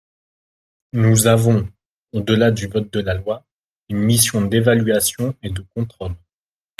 Nous avons, au-delà du vote de la loi, une mission d’évaluation et de contrôle.